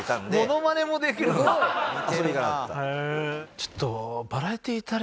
ちょっと。